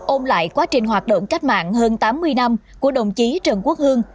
ôm lại quá trình hoạt động cách mạng hơn tám mươi năm của đồng chí trần quốc hương